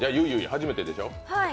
初めてでしょう？